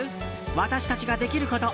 私たちができること。